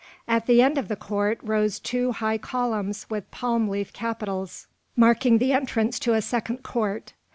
At the end of the court rose two high columns with palm leaf capitals, marking the entrance to a second court.